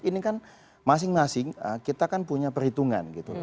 ini kan masing masing kita kan punya perhitungan gitu